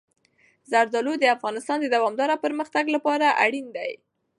زردالو د افغانستان د دوامداره پرمختګ لپاره اړین دي.